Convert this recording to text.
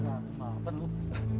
bapak bapak bapak